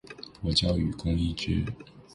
我叫雨宫伊织！